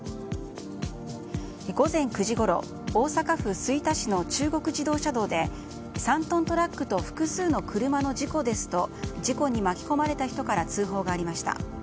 午前９時ごろ大阪府吹田市の中国自動車道で３トントラックと複数の車の事故ですと事故に巻き込まれた人から通報がありました。